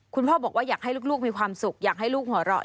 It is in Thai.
คุณพ่อบอกว่าอยากให้ลูกมีความสุขอยากให้ลูกหัวเราะ